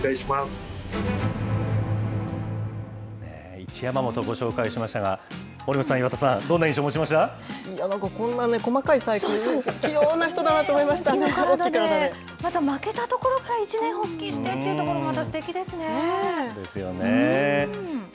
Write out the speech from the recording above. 一山本、ご紹介しましたが、守本さん、岩田さん、こんな細かい細工ね、あの体で、また負けたところから一念発起してっていうところもすてきですね。